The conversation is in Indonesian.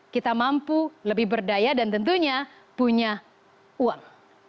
kita mampu lebih berdaya dan tentunya punya uang